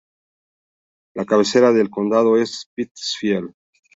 La cabecera del condado es Pittsfield.